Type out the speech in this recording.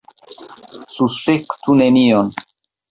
Suspektu nenion.